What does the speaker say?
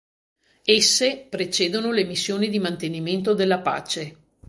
Esse precedono le missioni di mantenimento della pace.